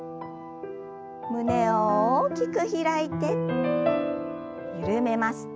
胸を大きく開いて緩めます。